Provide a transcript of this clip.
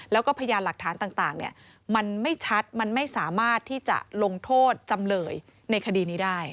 แล้วก็พยานหลักฐานต่างมันไม่ชัดมันไม่สามารถที่จะลงโทษจำเลยในคดีนี้ได้